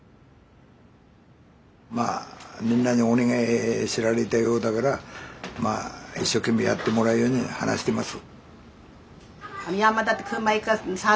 まあみんなにお願いせられたようだからまあ一生懸命やってもらうように話してます。